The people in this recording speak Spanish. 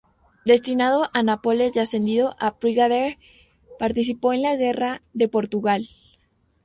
Destinado a Nápoles y ascendido a brigadier, participó en la guerra de Portugal.